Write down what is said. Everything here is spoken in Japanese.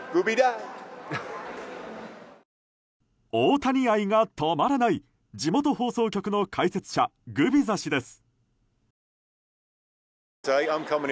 大谷愛が止まらない地元放送局の解説者グビザ氏です。